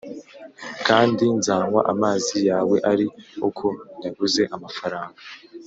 kandi nzanywa amazi yawe ari uko nyaguze amafaranga.